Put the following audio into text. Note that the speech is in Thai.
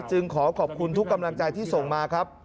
ขอขอบคุณทุกกำลังใจที่ส่งมาครับ